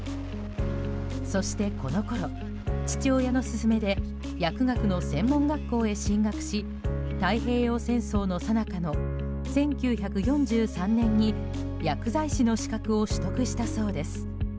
そして、このころ、父親の勧めで薬学の専門学校へ進学し太平洋戦争の最中の１９４３年に薬剤師の資格を取得したそうです。